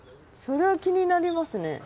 それは気になりますね。